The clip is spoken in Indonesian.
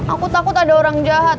aku takut ada orang jahat